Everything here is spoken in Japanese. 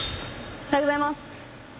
おはようございます。